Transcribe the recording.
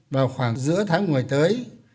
vào khoảng giữa tháng một mươi tới